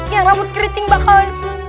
yang rambut keriting bakalan